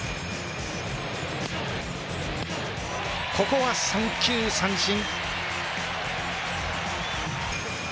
ここは三球三振。